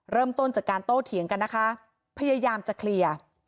เริ่มต้นจากการโต้เถียงกันนะคะพยายามจะเคลียร์